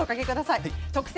「特選！